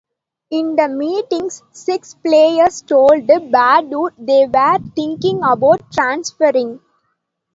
In the meetings, six players told Baddour they were thinking about transferring.